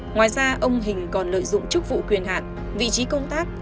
ngoài ra ông hình còn lợi dụng chức vụ quyền hạn vị trí công tác